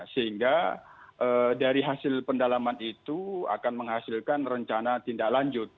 sehingga dari hasil pendalaman itu akan menghasilkan rencana tindak lanjut